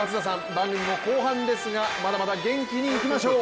番組も後半ですがまだまだ元気にいきましょう！